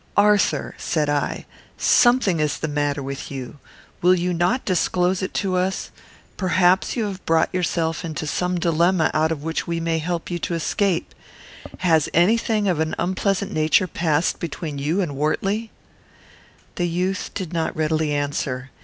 "Arthur," said I, "something is the matter with you. Will you not disclose it to us? Perhaps you have brought yourself into some dilemma out of which we may help you to escape. Has any thing of an unpleasant nature passed between you and Wortley?" The youth did not readily answer.